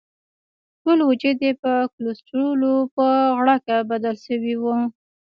ټول وجود یې په کولسټرولو په غړکه بدل شوی وو.